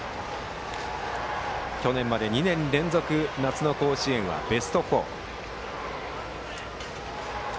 去年まで２年連続夏の甲子園はベスト４。